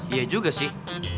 iya juga sih